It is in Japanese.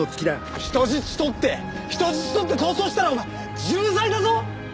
人質取って人質取って逃走したらお前重罪だぞ！